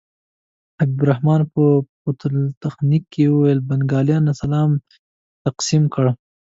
حبیب الرحمن په پولتخنیک کې وویل بنګالیانو اسلام تقسیم کړ.